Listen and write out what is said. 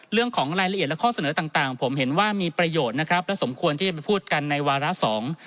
เรื่องของรายละเอียดและข้อเสนอต่างต่างผมเห็นว่ามีประโยชน์นะครับและสมควรที่จะไปพูดกันในวาระสอง